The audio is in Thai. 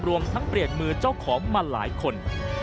รวมทั้งเปลี่ยนมือเจ้าของมาหลายคน